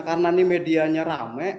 karena ini medianya rame